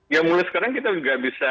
ya mulai sekarang kita nggak bisa